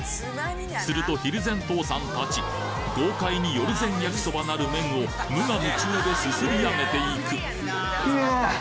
するとひるぜん父さん達豪快によるぜん焼そばなる麺を無我夢中ですすりあげていく！